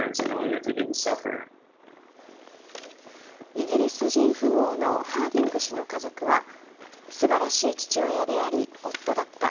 イギリス人富豪のハーディング氏の家族は素晴らしい父親であり夫だった。